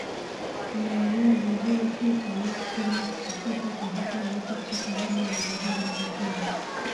linaelea vizuri tu Kwa nakshi nakshi Sasa kwa hapa ulipofika hebu nitajie matatizo